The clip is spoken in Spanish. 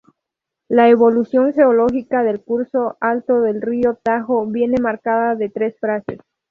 La evolución geológica del curso alto del río Tajo viene marcada por tres fases.